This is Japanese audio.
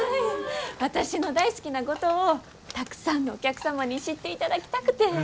私の大好きな五島をたくさんのお客様に知っていただきたくて。